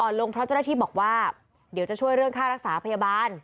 ลงเพราะเจ้าหน้าที่บอกว่าเดี๋ยวจะช่วยเรื่องค่ารักษาพยาบาล